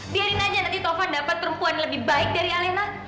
biarin aja nanti tovan dapat perempuan lebih baik dari alena